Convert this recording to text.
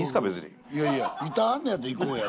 いやいやいてはんねやったら行こうや。